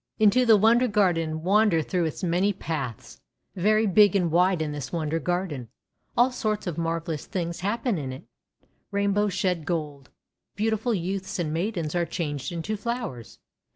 INTO THIS WONDER GARDEN AND WANDER THROUGH ITS MANY PATHS VERY big and wide is this Wonder Garden. All sorts of marvellous things happen in it: — Rainbows shed gold. Beautiful youths and maidens are changed into flowers.